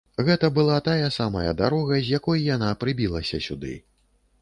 Гэта была тая самая дарога, з якой яна прыбілася сюды.